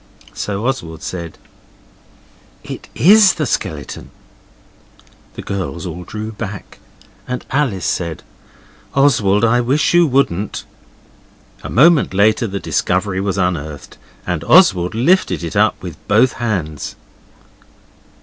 So Oswald said 'It IS the skeleton.' The girls all drew back, and Alice said, 'Oswald, I wish you wouldn't.' A moment later the discovery was unearthed, and Oswald lifted it up, with both hands.